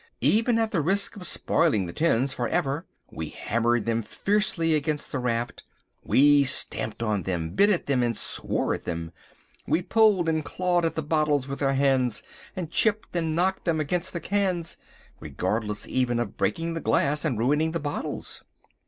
Even at the risk of spoiling the tins for ever we hammered them fiercely against the raft. We stamped on them, bit at them and swore at them. We pulled and clawed at the bottles with our hands, and chipped and knocked them against the cans, regardless even of breaking the glass and ruining the bottles.